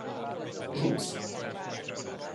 Zsupsz!